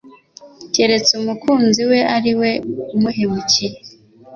keretse umukunzi we ari we umuhemukiye